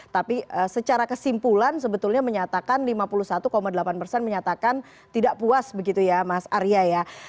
tapi secara kesimpulan sebetulnya menyatakan lima puluh satu delapan persen menyatakan tidak puas begitu ya mas arya ya